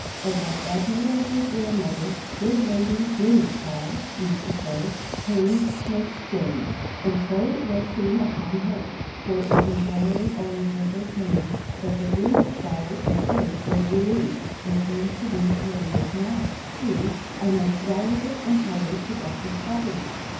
As our admirable grandmother, good Lady Girnachgowl, used to say, pains makes gains; and so it was seen upon her; for it was entirely owing to her pains that the Girnachgowl estate was relieved, and came to be what it is now, viz. a most valuable and highly productive _property.